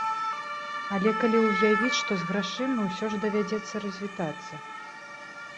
Але калі ўявіць, што з грашыма ўсё ж давядзецца развітацца?